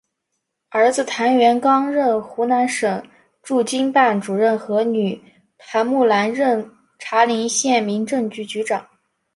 儿子谭元刚任湖南省驻京办主任和女谭木兰任茶陵县民政局局长。